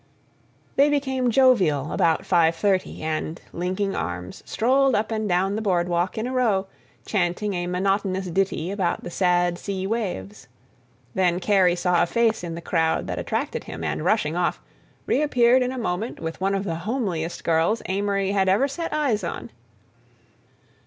They became jovial about five thirty and, linking arms, strolled up and down the boardwalk in a row, chanting a monotonous ditty about the sad sea waves. Then Kerry saw a face in the crowd that attracted him and, rushing off, reappeared in a moment with one of the homeliest girls Amory had ever set eyes on.